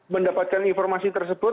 mendapatkan informasi tersebut